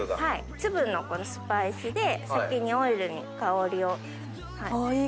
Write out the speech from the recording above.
粒のこのスパイスで先にオイルに香りを。